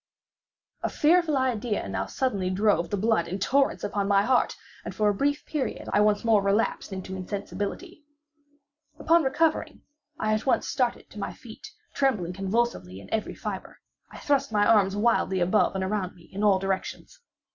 A fearful idea now suddenly drove the blood in torrents upon my heart, and for a brief period, I once more relapsed into insensibility. Upon recovering, I at once started to my feet, trembling convulsively in every fibre. I thrust my arms wildly above and around me in all directions.